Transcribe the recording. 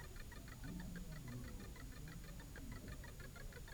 Deux puissants grizzlis soutiennent ce bouclier.